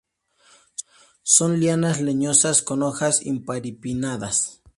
Son lianas leñosas con hojas imparipinnadas.